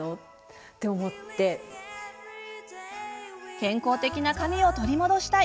健康的な髪を取り戻したい。